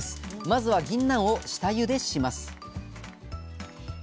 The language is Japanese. まずはぎんなんを下ゆでします